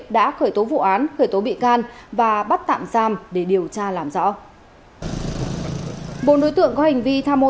đã khởi tố vụ án khởi tố bị can và bắt tạm giam để điều tra làm rõ bộ đối tượng có hành vi tham mô